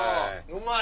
うまい！